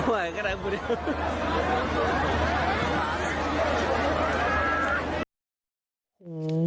ว่ายังไงคุณ